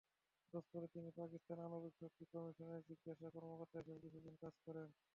অতঃপর তিনি পাকিস্তান আণবিক শক্তি কমিশনে বিজ্ঞান কর্মকর্তা হিসেবে কিছুদিন কাজ করেন।